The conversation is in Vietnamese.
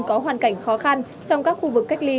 có hoàn cảnh khó khăn trong các khu vực cách ly